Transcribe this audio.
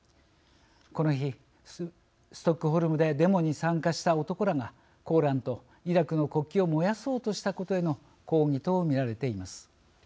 この日ストックホルムでデモに参加した男らが「コーラン」とイラクの国旗を燃やそうとしたことへの抗議と見られています。